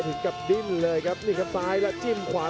โปรดติดตามต่อไป